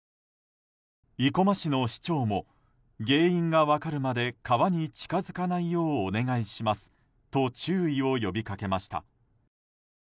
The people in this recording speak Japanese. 生駒市の市長も原因が分かるまで川に近づかないようお願いしますと注意を呼びかけました。